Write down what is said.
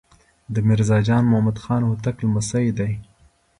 د میرزا جان محمد خان هوتک لمسی دی.